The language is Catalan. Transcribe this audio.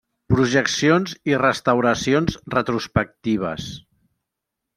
Projeccions i restauracions retrospectives.